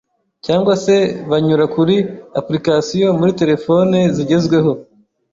cyangwa se banyura kuri application muri telefone zigezweho